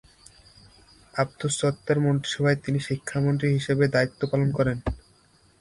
আবদুস সাত্তারের মন্ত্রিসভায় তিনি শিক্ষা প্রতিমন্ত্রী হিসেবে দায়িত্ব পালন করেন।